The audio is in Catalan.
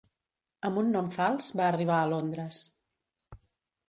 Amb un nom fals, va arribar a Londres.